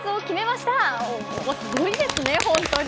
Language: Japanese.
すごいですね本当に。